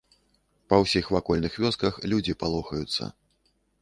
Па ўсіх вакольных вёсках людзі палохаюцца.